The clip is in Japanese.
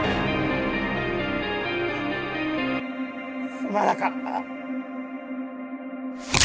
すまなかった。